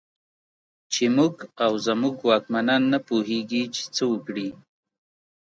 چې موږ او زموږ واکمنان نه پوهېږي چې څه وکړي.